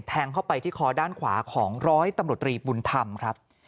แทงเข้าไปที่คอด้านขวาของร้อยตำรวจตรีบุญธรรมครับ